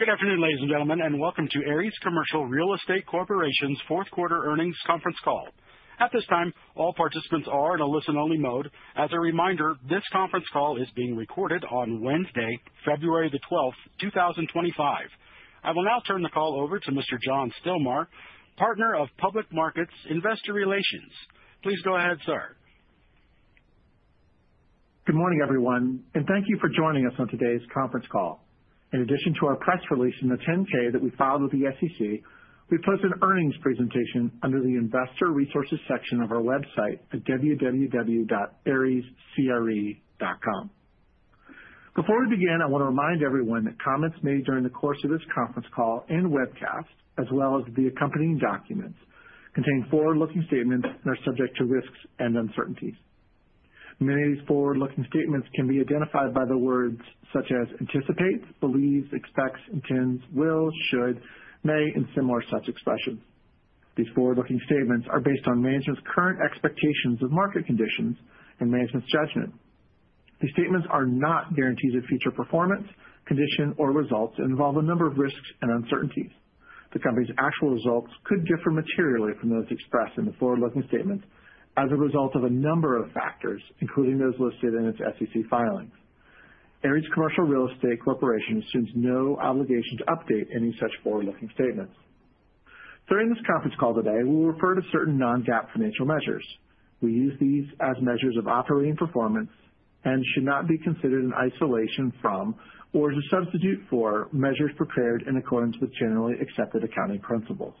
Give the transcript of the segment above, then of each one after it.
Good afternoon, ladies and gentlemen, and welcome to Ares Commercial Real Estate Corporation's Q4 Earnings Conference Call. At this time, all participants are in a listen-only mode. As a reminder, this conference call is being recorded on Wednesday, February 12th, 2025. I will now turn the call over to Mr. John Stilmar, Partner of Public Markets Investor Relations. Please go ahead, sir. Good morning, everyone, and thank you for joining us on today's conference call. In addition to our press release and the 10-K that we filed with the SEC, we post an earnings presentation under the investor resources section of our website at www.arescre.com. Before we begin, I want to remind everyone that comments made during the course of this conference call and webcast, as well as the accompanying documents, contain forward-looking statements and are subject to risks and uncertainties. Many of these forward-looking statements can be identified by the words such as anticipates, believes, expects, intends, will, should, may, and similar such expressions. These forward-looking statements are based on management's current expectations of market conditions and management's judgment. These statements are not guarantees of future performance, condition, or results and involve a number of risks and uncertainties. The company's actual results could differ materially from those expressed in the forward-looking statements as a result of a number of factors, including those listed in its SEC filings. Ares Commercial Real Estate Corporation assumes no obligation to update any such forward-looking statements. During this conference call today, we will refer to certain non-GAAP financial measures. We use these as measures of operating performance and they should not be considered in isolation from or to substitute for measures prepared in accordance with generally accepted accounting principles.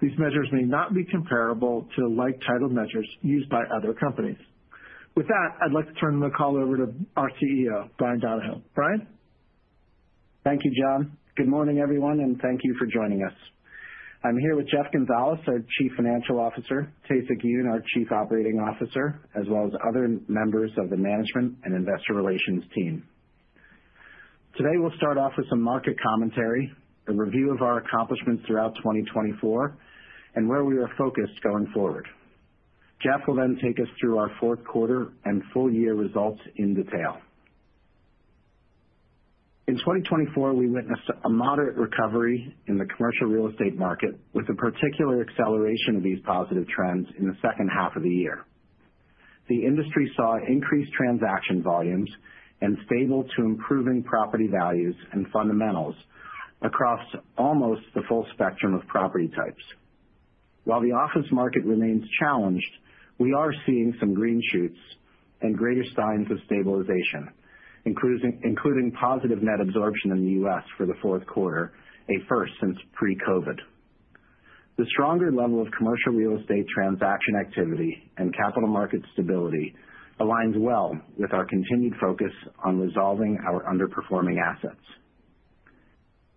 These measures may not be comparable to like-titled measures used by other companies. With that, I'd like to turn the call over to our CEO, Bryan Donohoe. Bryan. Thank you, John. Good morning, everyone, and thank you for joining us. I'm here with Jeff Gonzales, our Chief Financial Officer; Tae-Sik Yoon, our Chief Operating Officer, as well as other members of the management and investor relations team. Today, we'll start off with some market commentary, a review of our accomplishments throughout 2024, and where we are focused going forward. Jeff will then take us through our Q4 and full year results in detail. In 2024, we witnessed a moderate recovery in the commercial real estate market, with a particular acceleration of these positive trends in the second half of the year. The industry saw increased transaction volumes and stable to improving property values and fundamentals across almost the full spectrum of property types. While the office market remains challenged, we are seeing some green shoots and greater signs of stabilization, including positive net absorption in the U.S. for the Q4, a first since pre-COVID. The stronger level of commercial real estate transaction activity and capital market stability aligns well with our continued focus on resolving our underperforming assets.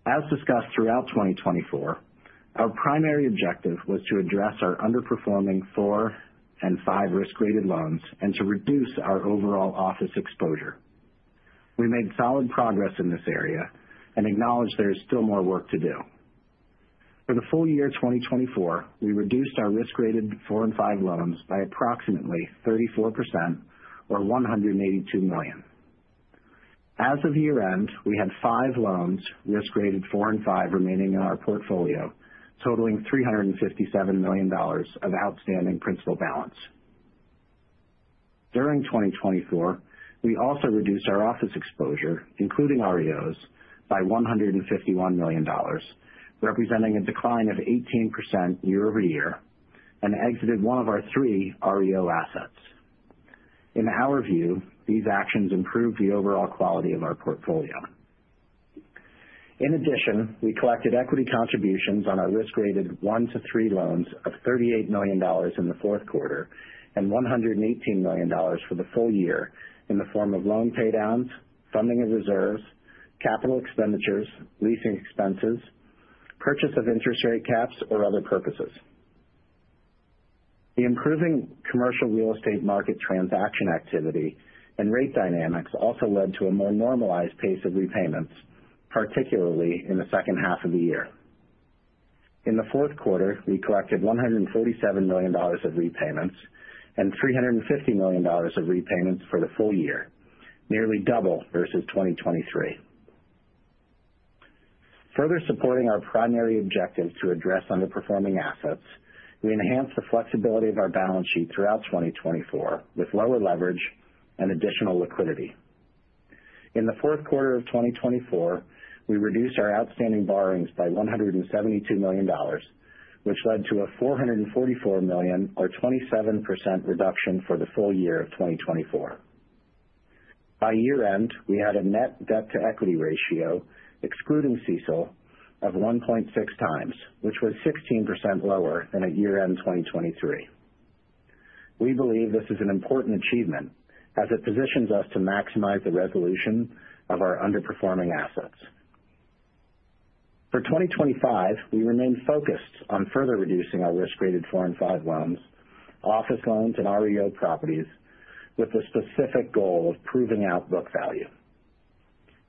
As discussed throughout 2024, our primary objective was to address our underperforming four and five risk-rated loans and to reduce our overall office exposure. We made solid progress in this area and acknowledge there is still more work to do. For the full year 2024, we reduced our risk-rated four and five loans by approximately 34%, or $182 million. As of year-end, we had five loans, risk-rated four and five, remaining in our portfolio, totaling $357 million of outstanding principal balance. During 2024, we also reduced our office exposure, including REOs, by $151 million, representing a decline of 18% year-over-year, and exited one of our three REO assets. In our view, these actions improved the overall quality of our portfolio. In addition, we collected equity contributions on our risk-rated one to three loans of $38 million in the Q4 and $118 million for the full year in the form of loan paydowns, funding of reserves, capital expenditures, leasing expenses, purchase of interest rate caps, or other purposes. The improving commercial real estate market transaction activity and rate dynamics also led to a more normalized pace of repayments, particularly in the second half of the year. In the Q4, we collected $147 million of repayments and $350 million of repayments for the full year, nearly double versus 2023. Further supporting our primary objective to address underperforming assets, we enhanced the flexibility of our balance sheet throughout 2024 with lower leverage and additional liquidity. In the Q4 of 2024, we reduced our outstanding borrowings by $172 million, which led to a $444 million, or 27% reduction, for the full year of 2024. By year-end, we had a net debt-to-equity ratio, excluding CECL of 1.6x, which was 16% lower than at year-end 2023. We believe this is an important achievement as it positions us to maximize the resolution of our underperforming assets. For 2025, we remain focused on further reducing our risk-rated four and five loans, office loans, and REO properties, with the specific goal of proving out book value.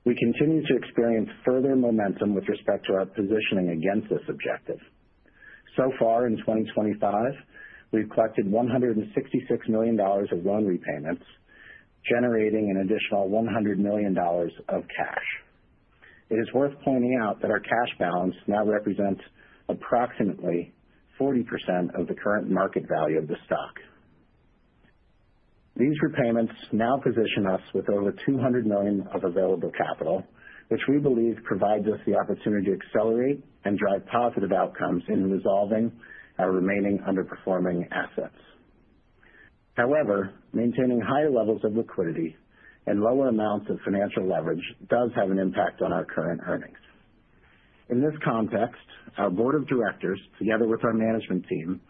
We continue to experience further momentum with respect to our positioning against this objective. So far, in 2025, we've collected $166 million of loan repayments, generating an additional $100 million of cash. It is worth pointing out that our cash balance now represents approximately 40% of the current market value of the stock. These repayments now position us with over $200 million of available capital, which we believe provides us the opportunity to accelerate and drive positive outcomes in resolving our remaining underperforming assets. However, maintaining higher levels of liquidity and lower amounts of financial leverage does have an impact on our current earnings. In this context, our board of directors, together with our management team,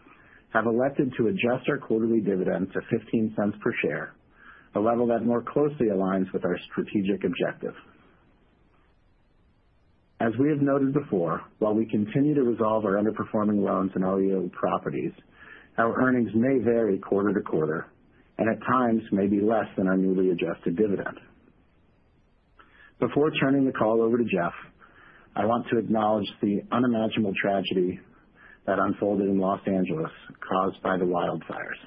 have elected to adjust our quarterly dividend to $0.15 per share, a level that more closely aligns with our strategic objective. As we have noted before, while we continue to resolve our underperforming loans and REO properties, our earnings may vary quarter to quarter and at times may be less than our newly adjusted dividend. Before turning the call over to Jeff, I want to acknowledge the unimaginable tragedy that unfolded in Los Angeles caused by the wildfires.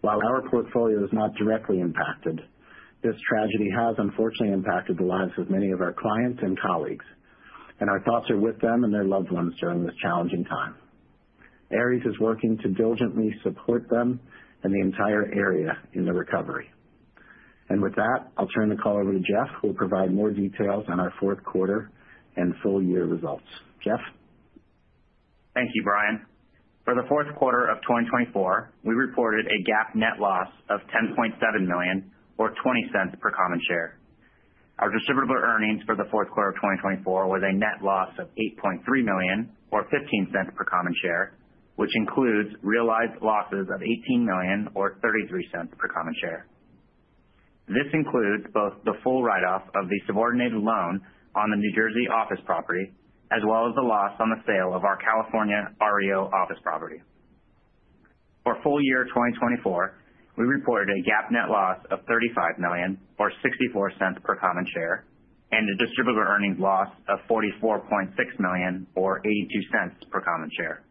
While our portfolio is not directly impacted, this tragedy has unfortunately impacted the lives of many of our clients and colleagues, and our thoughts are with them and their loved ones during this challenging time. Ares is working to diligently support them and the entire area in the recovery. With that, I'll turn the call over to Jeff, who will provide more details on our Q4 and full year results. Jeff? Thank you, Bryan. For the Q4 of 2024, we reported a GAAP net loss of $10.7 million, or $0.20 per common share. Our distributable earnings for the Q4 of 2024 were a net loss of $8.3 million, or $0.15 per common share, which includes realized losses of $18 million, or $0.33 per common share. This includes both the full write-off of the subordinated loan on the New Jersey office property as well as the loss on the sale of our California REO office property. For full year 2024, we reported a GAAP net loss of $35 million, or $0.64 per common share, and a distributable earnings loss of $44.6 million, or $0.82 per common share.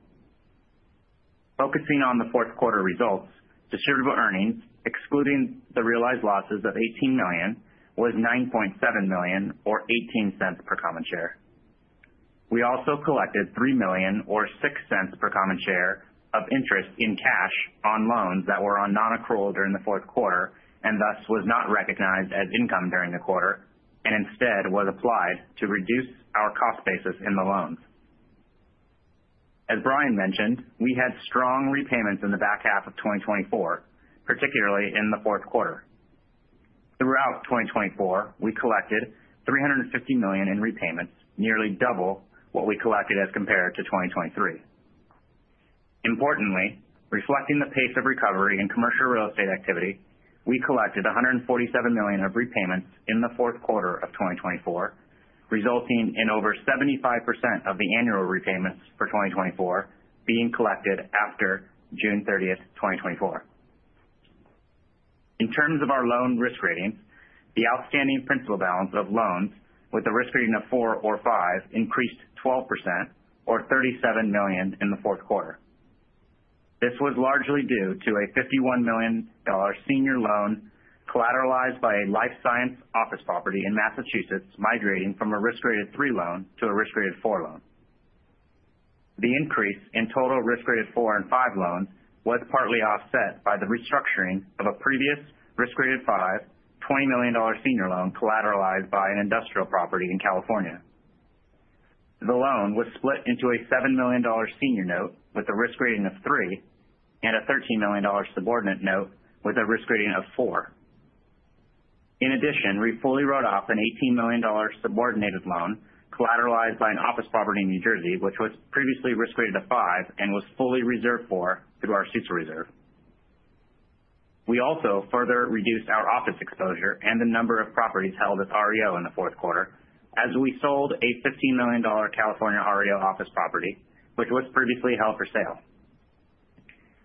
Focusing on the Q4 results, distributable earnings, excluding the realized losses of $18 million, was $9.7 million, or $0.18 per common share. We also collected $3 million, or $0.06 per common share, of interest in cash on loans that were on non-accrual during the Q4 and thus was not recognized as income during the quarter and instead was applied to reduce our cost basis in the loans. As Bryan mentioned, we had strong repayments in the back half of 2024, particularly in the Q4. Throughout 2024, we collected $350 million in repayments, nearly double what we collected as compared to 2023. Importantly, reflecting the pace of recovery in commercial real estate activity, we collected $147 million of repayments in the Q4 of 2024, resulting in over 75% of the annual repayments for 2024 being collected after June 30th, 2024. In terms of our loan risk ratings, the outstanding principal balance of loans with a risk rating of four or five increased 12%, or $37 million in the Q4. This was largely due to a $51 million senior loan collateralized by a life science office property in Massachusetts migrating from a risk-rated three loan to a risk-rated four loan. The increase in total risk-rated four and five loans was partly offset by the restructuring of a previous risk-rated five $20 million senior loan collateralized by an industrial property in California. The loan was split into a $7 million senior note with a risk rating of three and a $13 million subordinate note with a risk rating of four. In addition, we fully wrote off an $18 million subordinated loan collateralized by an office property in New Jersey, which was previously risk-rated a five and was fully reserved for through our CESO reserve. We also further reduced our office exposure and the number of properties held as REO in the Q4 as we sold a $15 million California REO office property, which was previously held for sale.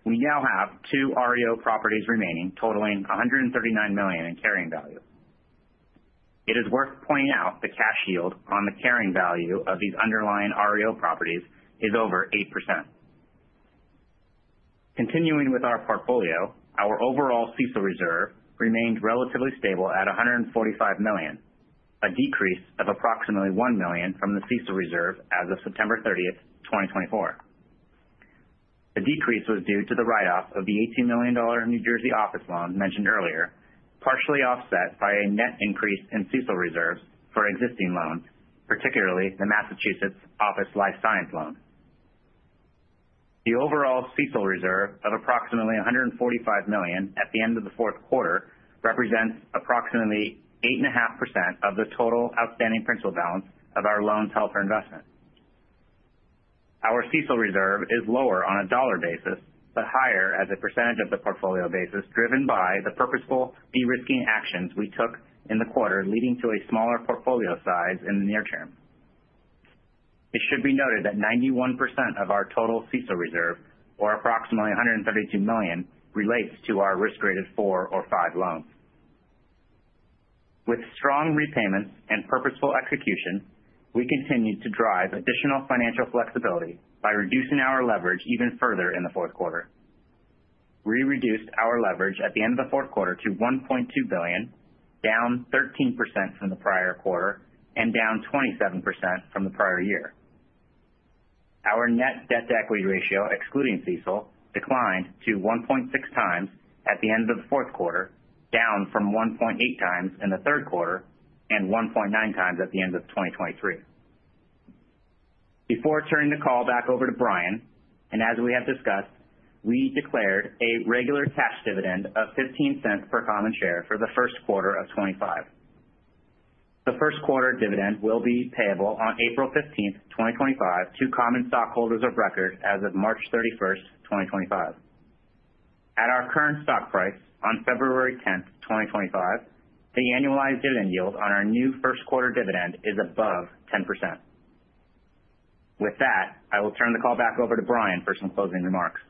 We now have two REO properties remaining totaling $139 million in carrying value. It is worth pointing out the cash yield on the carrying value of these underlying REO properties is over 8%. Continuing with our portfolio, our overall CESO reserve remained relatively stable at $145 million, a decrease of approximately $1 million from the CESO reserve as of September 30th, 2024. The decrease was due to the write-off of the $18 million New Jersey office loan mentioned earlier, partially offset by a net increase in CESO reserves for existing loans, particularly the Massachusetts office life science loan. The overall CESO reserve of approximately $145 million at the end of the Q4 represents approximately 8.5% of the total outstanding principal balance of our loans held for investment. Our CESO reserve is lower on a dollar basis, but higher as a percentage of the portfolio basis driven by the purposeful de-risking actions we took in the quarter leading to a smaller portfolio size in the near term. It should be noted that 91% of our total CESO reserve, or approximately $132 million, relates to our risk-rated four or five loans. With strong repayments and purposeful execution, we continued to drive additional financial flexibility by reducing our leverage even further in the Q4. We reduced our leverage at the end of the Q4 to $1.2 billion, down 13% from the prior quarter and down 27% from the prior year. Our net debt-to-equity ratio, excluding CESO, declined to 1.6x at the end of the Q4, down from 1.8x in the Q3 and 1.9x at the end of 2023. Before turning the call back over to Bryan, and as we have discussed, we declared a regular cash dividend of $0.15 per common share for the Q1 of 2025. The Q1 dividend will be payable on April 15th, 2025, to common stockholders of record as of March 31st, 2025. At our current stock price on February 10th, 2025, the annualized dividend yield on our new Q1 dividend is above 10%. With that, I will turn the call back over to Bryan for some closing remarks.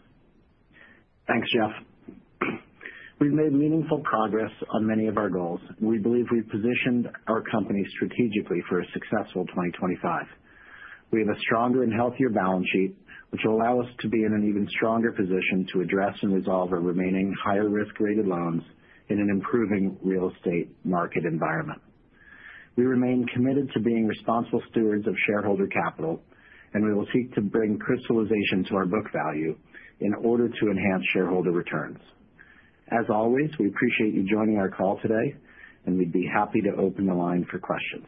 Thanks, Jeff. We've made meaningful progress on many of our goals. We believe we've positioned our company strategically for a successful 2025. We have a stronger and healthier balance sheet, which will allow us to be in an even stronger position to address and resolve our remaining higher risk-rated loans in an improving real estate market environment. We remain committed to being responsible stewards of shareholder capital, and we will seek to bring crystallization to our book value in order to enhance shareholder returns. As always, we appreciate you joining our call today, and we'd be happy to open the line for questions.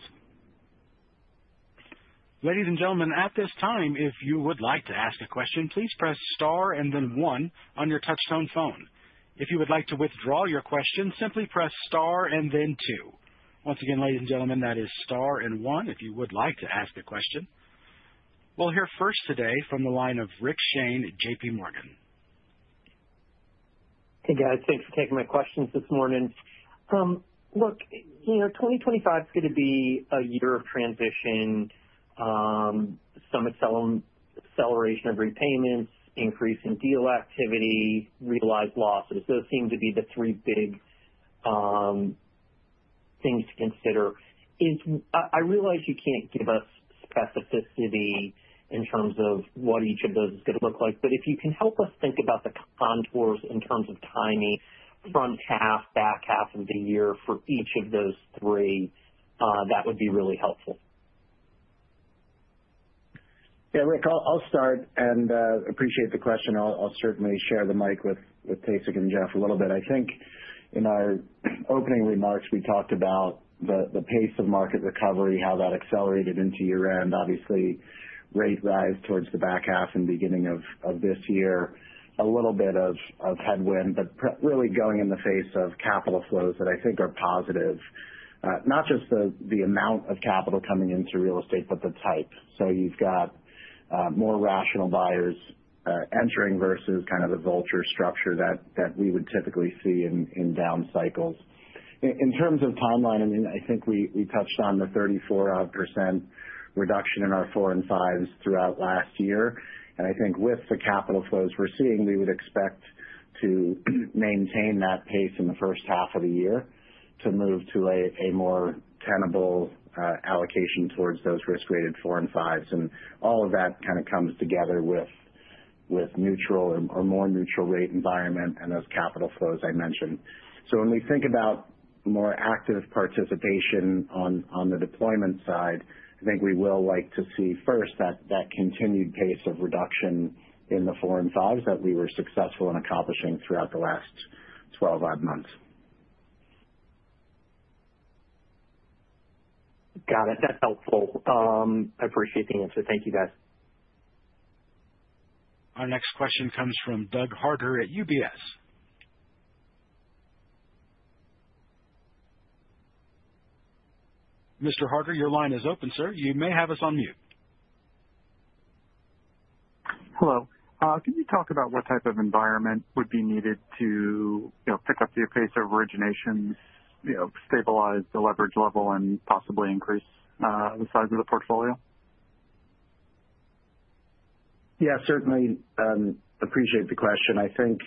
Ladies and gentlemen, at this time, if you would like to ask a question, please press star and then one on your touch-tone phone. If you would like to withdraw your question, simply press star and then two. Once again, ladies and gentlemen, that is star and one if you would like to ask a question. We'll hear first today from the line of Rick Shane, JP Morgan. Hey, guys. Thanks for taking my questions this morning. Look, you know, 2025 is going to be a year of transition, some acceleration of repayments, increase in deal activity, realized losses. Those seem to be the three big things to consider. I realize you can't give us specificity in terms of what each of those is going to look like, but if you can help us think about the contours in terms of timing front half, back half of the year for each of those three, that would be really helpful. Yeah, Rick, I'll start and appreciate the question. I'll certainly share the mic with Tae-Sik and Jeff a little bit. I think in our opening remarks, we talked about the pace of market recovery, how that accelerated into year-end. Obviously, rate rise towards the back half and beginning of this year, a little bit of headwind, but really going in the face of capital flows that I think are positive, not just the amount of capital coming into real estate, but the type. You have more rational buyers entering versus kind of a vulture structure that we would typically see in down cycles. In terms of timeline, I mean, I think we touched on the 34% reduction in our four and fives throughout last year. I think with the capital flows we're seeing, we would expect to maintain that pace in the first half of the year to move to a more tenable allocation towards those risk-rated four and fives. All of that kind of comes together with neutral or more neutral rate environment and those capital flows I mentioned. When we think about more active participation on the deployment side, I think we will like to see first that continued pace of reduction in the four and fives that we were successful in accomplishing throughout the last 12-odd months. Got it. That's helpful. I appreciate the answer. Thank you, guys. Our next question comes from Doug Harter at UBS. Mr. Harter, your line is open, sir. You may have us on mute. Hello. Can you talk about what type of environment would be needed to pick up the pace of originations, stabilize the leverage level, and possibly increase the size of the portfolio? Yeah, certainly appreciate the question. I think,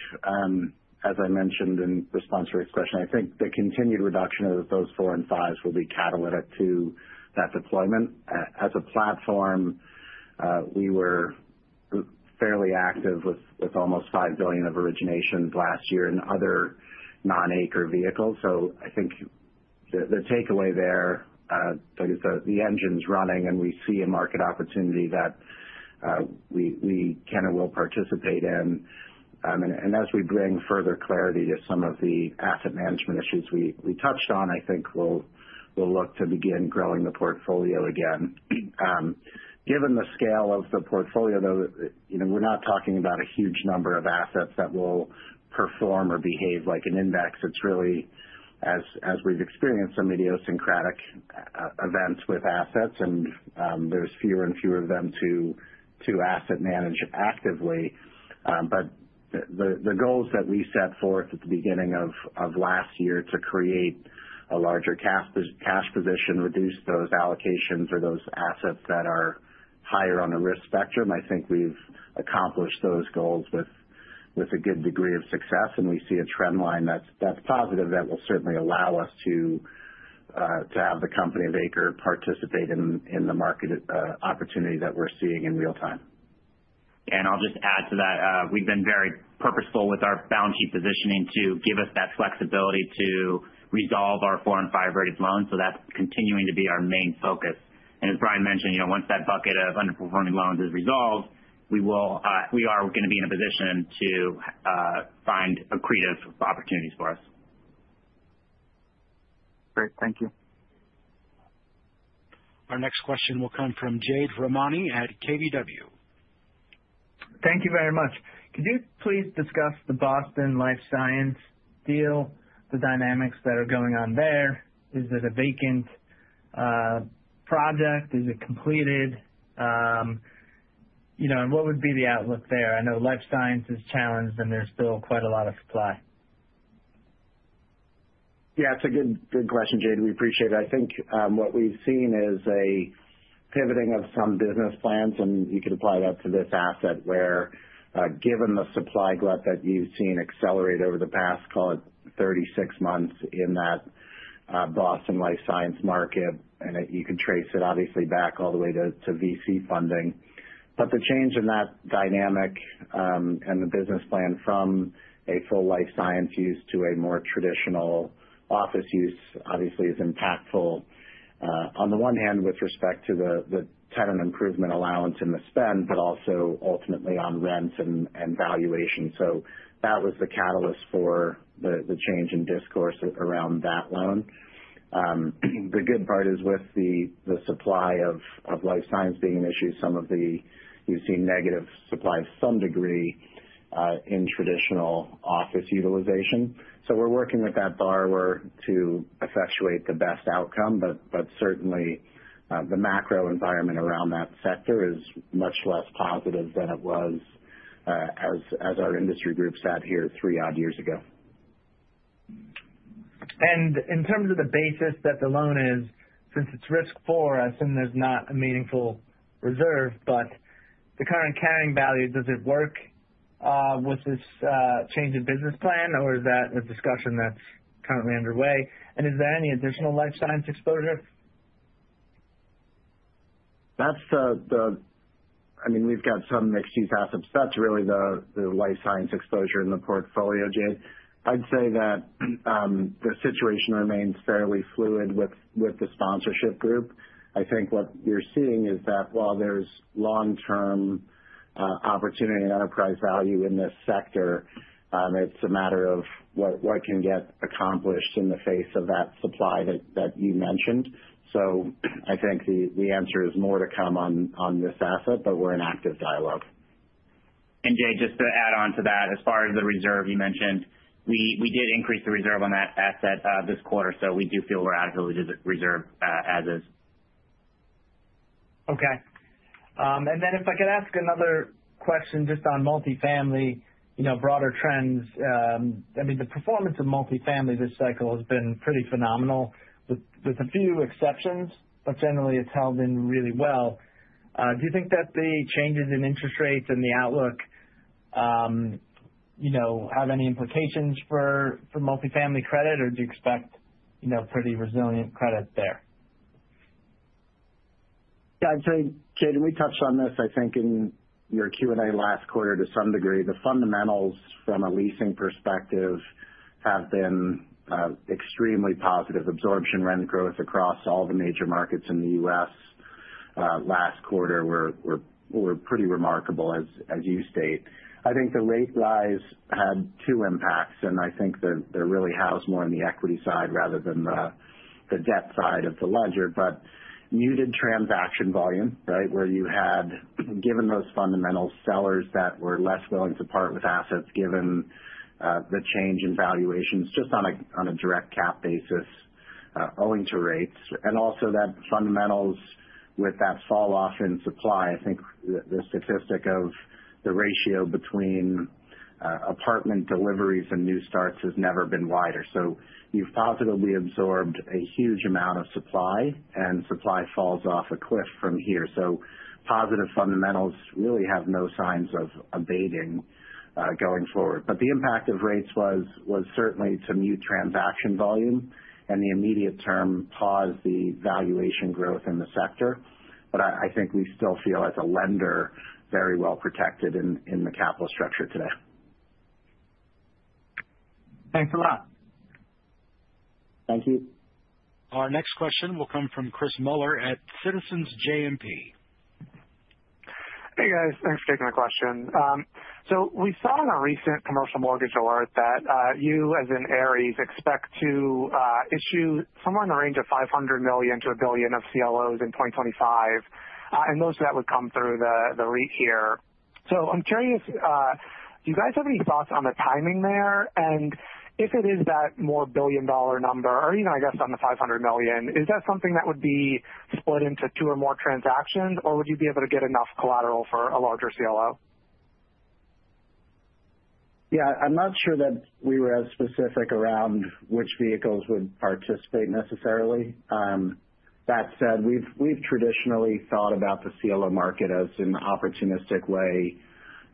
as I mentioned in response to Rick's question, I think the continued reduction of those four and fives will be catalytic to that deployment. As a platform, we were fairly active with almost $5 billion of originations last year in other non-ACRE vehicles. I think the takeaway there is the engine's running and we see a market opportunity that we can and will participate in. As we bring further clarity to some of the asset management issues we touched on, I think we'll look to begin growing the portfolio again. Given the scale of the portfolio, though, we're not talking about a huge number of assets that will perform or behave like an index. It's really, as we've experienced some idiosyncratic events with assets, and there's fewer and fewer of them to asset manage actively. The goals that we set forth at the beginning of last year to create a larger cash position, reduce those allocations or those assets that are higher on the risk spectrum, I think we've accomplished those goals with a good degree of success. We see a trend line that's positive that will certainly allow us to have the company of Ares Commercial Real Estate Corporation participate in the market opportunity that we're seeing in real time. I'll just add to that, we've been very purposeful with our balance sheet positioning to give us that flexibility to resolve our four and five rated loans. That's continuing to be our main focus. As Bryan mentioned, once that bucket of underperforming loans is resolved, we are going to be in a position to find accretive opportunities for us. Great. Thank you. Our next question will come from Jade Rahmani at KBW. Thank you very much. Could you please discuss the Boston life science deal, the dynamics that are going on there? Is it a vacant project? Is it completed? What would be the outlook there? I know life science is challenged and there's still quite a lot of supply. Yeah, it's a good question, Jade. We appreciate it. I think what we've seen is a pivoting of some business plans, and you could apply that to this asset where, given the supply glut that you've seen accelerate over the past, call it 36 months in that Boston life science market, and you can trace it obviously back all the way to VC funding. The change in that dynamic and the business plan from a full life science use to a more traditional office use obviously is impactful on the one hand with respect to the tenant improvement allowance and the spend, but also ultimately on rents and valuation. That was the catalyst for the change in discourse around that loan. The good part is with the supply of life science being an issue, some of the, we've seen negative supply to some degree in traditional office utilization. We're working with that borrower to effectuate the best outcome, but certainly the macro environment around that sector is much less positive than it was as our industry group sat here three-odd years ago. In terms of the basis that the loan is, since it's risk for us and there's not a meaningful reserve, but the current carrying value, does it work with this change in business plan, or is that a discussion that's currently underway? Is there any additional life science exposure? That's the, I mean, we've got some mixed-use assets. That's really the life science exposure in the portfolio, Jade. I'd say that the situation remains fairly fluid with the sponsorship group. I think what we're seeing is that while there's long-term opportunity and enterprise value in this sector, it's a matter of what can get accomplished in the face of that supply that you mentioned. I think the answer is more to come on this asset, but we're in active dialogue. Jade, just to add on to that, as far as the reserve you mentioned, we did increase the reserve on that asset this quarter, so we do feel we're adequately reserved as is. Okay. If I could ask another question just on multifamily, broader trends. I mean, the performance of multifamily this cycle has been pretty phenomenal with a few exceptions, but generally it's held in really well. Do you think that the changes in interest rates and the outlook have any implications for multifamily credit, or do you expect pretty resilient credit there? Yeah, I'd say, Jade, and we touched on this, I think, in your Q&A last quarter to some degree. The fundamentals from a leasing perspective have been extremely positive. Absorption rent growth across all the major markets in the U.S. last quarter were pretty remarkable, as you state. I think the rate rise had two impacts, and I think they're really housed more on the equity side rather than the debt side of the ledger, but muted transaction volume, right, where you had, given those fundamentals, sellers that were less willing to part with assets given the change in valuations just on a direct cap basis owing to rates. Also that fundamentals with that falloff in supply, I think the statistic of the ratio between apartment deliveries and new starts has never been wider. You've positively absorbed a huge amount of supply, and supply falls off a cliff from here. Positive fundamentals really have no signs of abating going forward. The impact of rates was certainly to mute transaction volume and in the immediate term pause the valuation growth in the sector. I think we still feel as a lender very well protected in the capital structure today. Thanks a lot. Thank you. Our next question will come from Chris Muller at Citizens JMP. Hey, guys. Thanks for taking my question. We saw in a recent Commercial Mortgage Alert that you as an Ares expect to issue somewhere in the range of $500 million to 1 billion of CLOs in 2025, and most of that would come through the REIT here. I'm curious, do you guys have any thoughts on the timing there? If it is that more billion-dollar number, or even I guess on the $500 million, is that something that would be split into two or more transactions, or would you be able to get enough collateral for a larger CLO? Yeah, I'm not sure that we were as specific around which vehicles would participate necessarily. That said, we've traditionally thought about the CLO market as an opportunistic way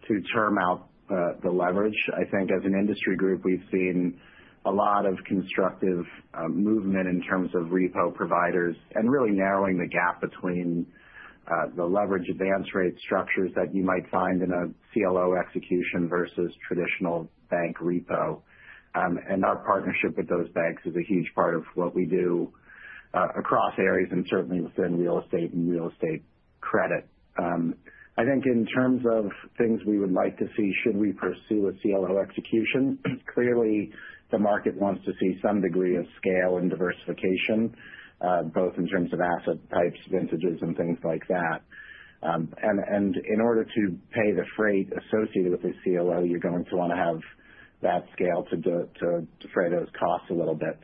to term out the leverage. I think as an industry group, we've seen a lot of constructive movement in terms of repo providers and really narrowing the gap between the leverage advance rate structures that you might find in a CLO execution versus traditional bank repo. Our partnership with those banks is a huge part of what we do across Ares and certainly within real estate and real estate credit. I think in terms of things we would like to see, should we pursue a CLO execution? Clearly, the market wants to see some degree of scale and diversification, both in terms of asset types, vintages, and things like that. In order to pay the freight associated with a CLO, you're going to want to have that scale to fray those costs a little bit.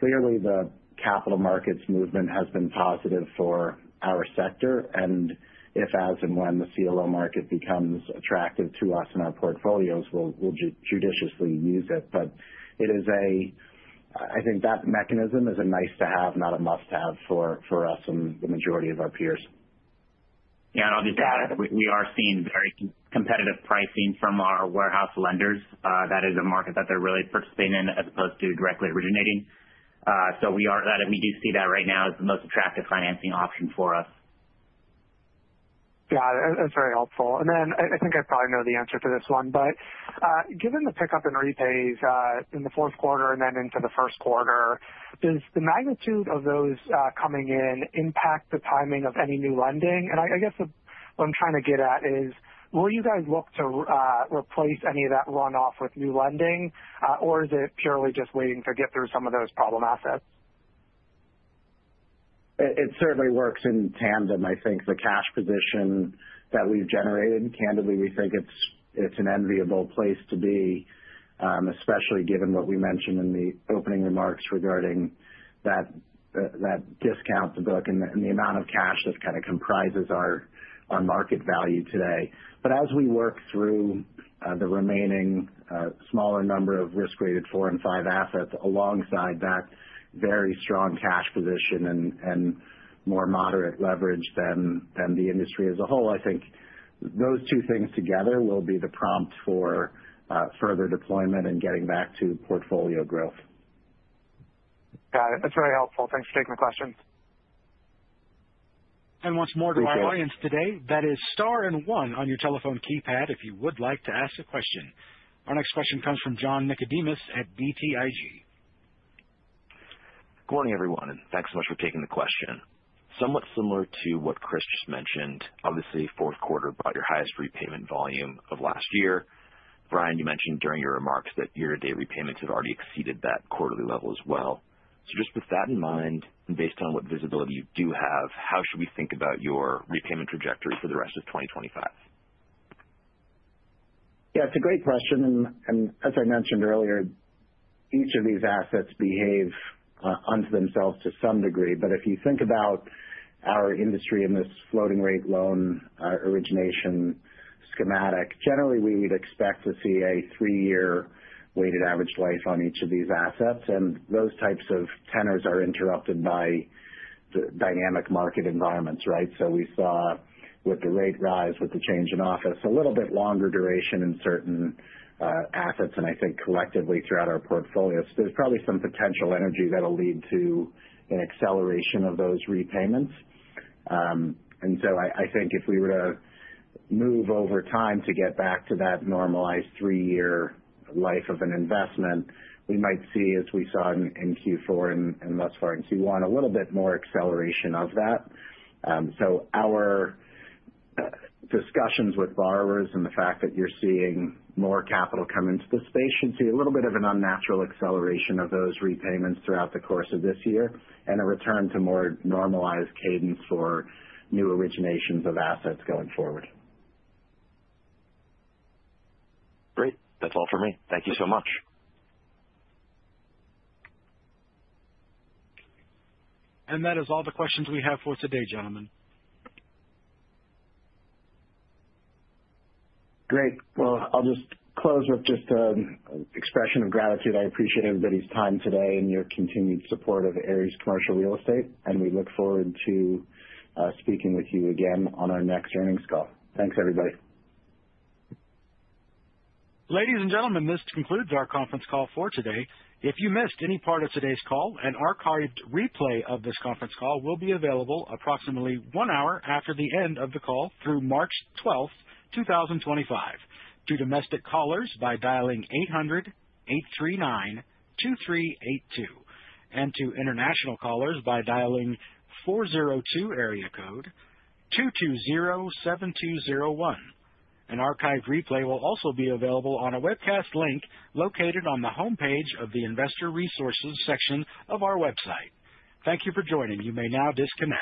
Clearly, the capital markets movement has been positive for our sector. If, as and when the CLO market becomes attractive to us in our portfolios, we'll judiciously use it. It is a, I think that mechanism is a nice-to-have, not a must-have for us and the majority of our peers. Yeah, and obviously, we are seeing very competitive pricing from our warehouse lenders. That is a market that they are really participating in as opposed to directly originating. We do see that right now as the most attractive financing option for us. Got it. That's very helpful. I think I probably know the answer to this one, but given the pickup in repairs in the Q4 and then into the Q1, does the magnitude of those coming in impact the timing of any new lending? I guess what I'm trying to get at is, will you guys look to replace any of that runoff with new lending, or is it purely just waiting to get through some of those problem assets? It certainly works in tandem, I think. The cash position that we've generated, candidly, we think it's an enviable place to be, especially given what we mentioned in the opening remarks regarding that discount to book and the amount of cash that kind of comprises our market value today. As we work through the remaining smaller number of risk-rated four and five assets alongside that very strong cash position and more moderate leverage than the industry as a whole, I think those two things together will be the prompt for further deployment and getting back to portfolio growth. Got it. That's very helpful. Thanks for taking the questions. Once more to my audience today, that is star and one on your telephone keypad if you would like to ask a question. Our next question comes from John Nickodemus at BTIG. Good morning, everyone, and thanks so much for taking the question. Somewhat similar to what Chris just mentioned, obviously Q4 brought your highest repayment volume of last year. Bryan, you mentioned during your remarks that year-to-date repayments have already exceeded that quarterly level as well. Just with that in mind, and based on what visibility you do have, how should we think about your repayment trajectory for the rest of 2025? Yeah, it's a great question. As I mentioned earlier, each of these assets behave unto themselves to some degree. If you think about our industry in this floating-rate loan origination schematic, generally we would expect to see a three-year weighted average life on each of these assets. Those types of tenors are interrupted by dynamic market environments, right? We saw with the rate rise, with the change in office, a little bit longer duration in certain assets, and I think collectively throughout our portfolios. There's probably some potential energy that'll lead to an acceleration of those repayments. I think if we were to move over time to get back to that normalized three-year life of an investment, we might see, as we saw in Q4 and thus far in Q1, a little bit more acceleration of that. Our discussions with borrowers and the fact that you're seeing more capital come into the space should see a little bit of an unnatural acceleration of those repayments throughout the course of this year and a return to more normalized cadence for new originations of assets going forward. Great. That's all for me. Thank you so much. That is all the questions we have for today, gentlemen. Great. I'll just close with just an expression of gratitude. I appreciate everybody's time today and your continued support of Ares Commercial Real Estate, and we look forward to speaking with you again on our next earnings call. Thanks, everybody. Ladies and gentlemen, this concludes our conference call for today. If you missed any part of today's call, an archived replay of this conference call will be available approximately one hour after the end of the call through March 12th, 2025, to domestic callers by dialing 800-839-2382 and to international callers by dialing 402 area code 220-7201. An archived replay will also be available on a webcast link located on the homepage of the Investor Resources section of our website. Thank you for joining. You may now disconnect.